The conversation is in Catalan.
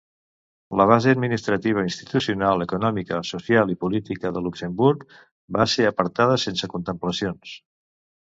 La base administrativa, institucional, econòmica, social i política de Luxemburg va ser apartada sense contemplacions.